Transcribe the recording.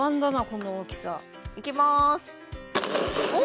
この大きさいきまーすおお！